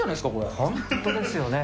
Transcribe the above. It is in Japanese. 本当ですよね。